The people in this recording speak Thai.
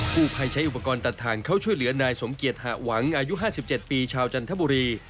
ผู้ภัยใช้อุปกรณ์ตัดทางเข้าช่วยเหลือนายสมเกียจหะหวังอายุ๕๗ปีชาวจันทบุรี